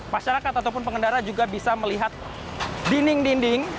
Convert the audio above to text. masyarakat ataupun pengendara juga bisa melihat dinding dinding